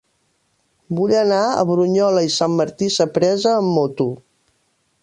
Vull anar a Brunyola i Sant Martí Sapresa amb moto.